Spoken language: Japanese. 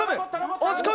押し込む。